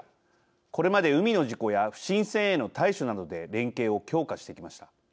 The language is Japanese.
これまで海の事故や不審船への対処などで連携を強化してきました。